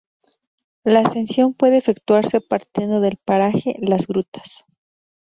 La ascensión puede efectuarse partiendo del paraje "Las Grutas".